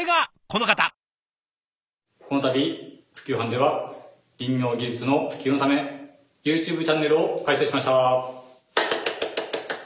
この度普及班では林業技術の普及のためＹｏｕＴｕｂｅチャンネルを開設しました。